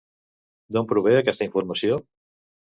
D'on prové aquesta informació?